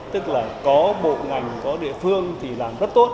tức là có bộ ngành có địa phương thì làm rất tốt